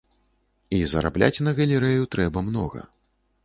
І зарабляць на галерэю трэба многа.